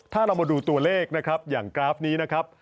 ถ้าเรามาดูตัวเลขนะครับอย่างกราฟนี้นะครับ